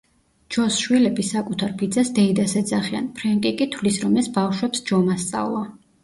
ჯოს შვილები საკუთარ ბიძას „დეიდას“ ეძახიან, ფრენკი კი თვლის, რომ ეს ბავშვებს ჯომ ასწავლა.